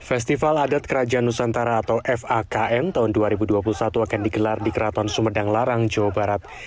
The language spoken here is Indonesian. festival adat kerajaan nusantara atau fakm tahun dua ribu dua puluh satu akan digelar di keraton sumedang larang jawa barat